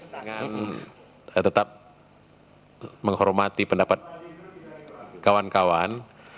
saya tetap menghormati pendapat kawan kawan